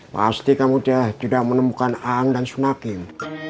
pasti kamu sudah menemukan aang dan sunakim